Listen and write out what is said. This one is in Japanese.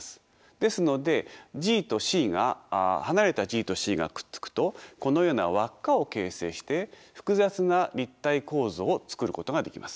ですので離れたＧとＣがくっつくとこのような輪っかを形成して複雑な立体構造を作ることができます。